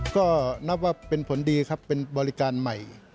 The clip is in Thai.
ก็นับว่าเป็นผลดีครับเป็นบริการใหม่